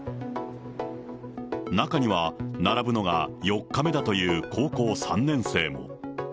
中には、並ぶのが４日目だという高校３年生も。